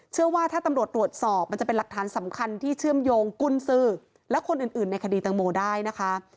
เชื่อว่าถ้าตำรวจตรวจสอบมันจะเป็นหลักฐานสำคัญที่เชื่อมโยงกุญสือและคนอื่นในคดีตังโมได้นะคะ